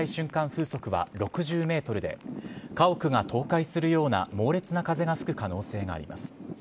風速は６０メートルで、家屋が倒壊するような猛烈な風が吹く可能性があります。